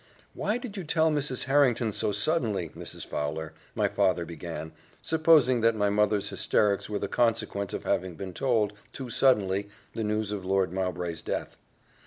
"Why did you tell Mrs. Harrington so suddenly, Mrs. Fowler?" my father began, supposing that my mother's hysterics were the consequence of having been told, too suddenly, the news of Lord Mowbray's death.